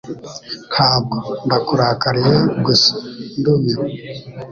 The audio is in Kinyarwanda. Ntabwo ndakurakariye, gusa ndumiwe.